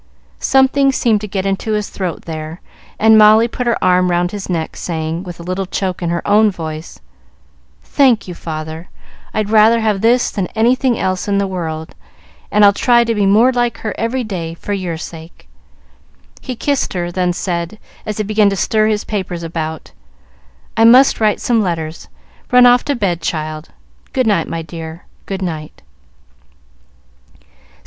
Something seemed to get into his throat there, and Molly put her arm round his neck, saying, with a little choke in her own voice, "Thank you, father, I'd rather have this than anything else in the world, and I'll try to be more like her every day, for your sake." He kissed her, then said, as he began to stir his papers about, "I must write some letters. Run off to bed, child. Good night, my dear, good night."